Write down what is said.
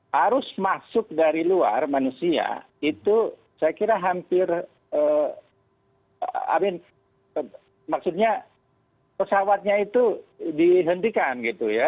harus masuk dari luar manusia itu saya kira hampir maksudnya pesawatnya itu dihentikan gitu ya